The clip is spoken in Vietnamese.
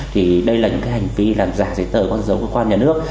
thì đây là những cái hành vi làm giả giấy tờ con dấu cơ quan nhà nước